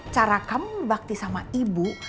cara kamu bakti sama ibu